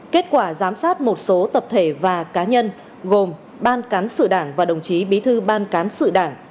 kết quả giám sát một số tập thể và cá nhân gồm ban cán sự đảng và đồng chí bí thư ban cán sự đảng